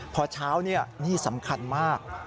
เพราะเช้านี่นี่สำคัญมาก